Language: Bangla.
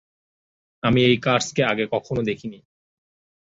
আমি এই কার্সকে আগে কখনো দেখিনি।